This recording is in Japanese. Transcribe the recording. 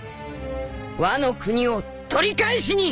ワノ国を取り返しに！